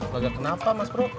lega kenapa mas bro